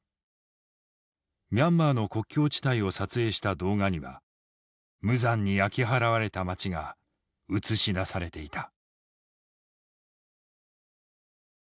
ミャンマーの国境地帯を撮影した動画には無残に焼き払われた町が映し出されていた。